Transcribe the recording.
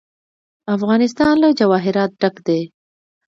افغانستان له جواهرات ډک دی.